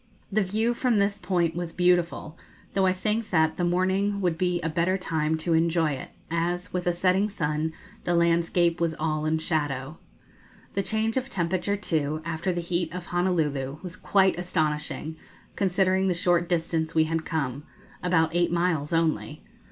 The view from this point was beautiful, though I think that the morning would be a better time to enjoy it, as, with a setting sun, the landscape was all in shadow. The change of temperature, too, after the heat of Honolulu, was quite astonishing, considering the short distance we had come about eight miles only.